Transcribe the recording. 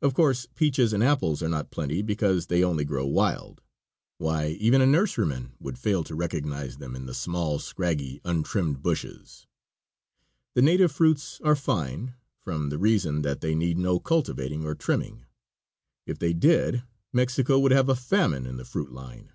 Of course, peaches and apples are not plenty, because they only grow wild. Why, even a nurseryman would fail to recognize them in the small, scraggy, untrimmed bushes. The native fruits are fine, from the reason that they need no cultivating or trimming. If they did, Mexico would have a famine in the fruit line.